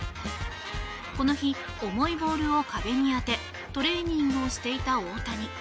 この日、重いボールを壁に当てトレーニングをしていた大谷。